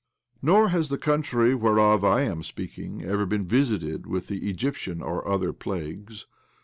Nor has the country whereof I am speak ing ever been visited with the Egyptian or other plagues.